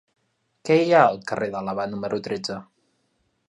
Què hi ha al carrer d'Àlaba número tretze?